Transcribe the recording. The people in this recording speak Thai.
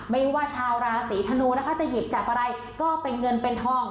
ไม่ว่าชาวราศีธนูนะคะจะหยิบจับอะไรก็เป็นเงินเป็นทอง